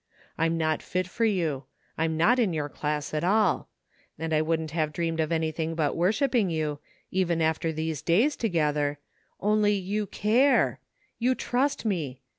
I'm not fit for you — ^I'm not in your dass at all — and I wouldn't have dreamed of anything but worshipping you, even after these days together— only you care! You trust me!